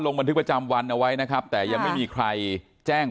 บันทึกประจำวันเอาไว้นะครับแต่ยังไม่มีใครแจ้ง